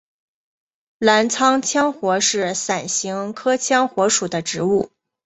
澜沧羌活是伞形科羌活属的植物。